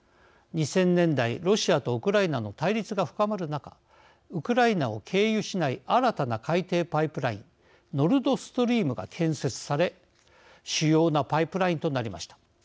２０００年代、ロシアとウクライナの対立が深まる中ウクライナを経由しない新たな海底パイプラインノルドストリームが建設され主要なパイプラインとなりました。